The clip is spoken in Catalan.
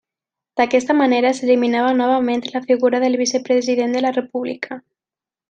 D'aquesta manera s'eliminava novament la figura del Vicepresident de la República.